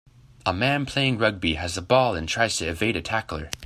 A man playing rugby has the ball and tries to evade a tackler.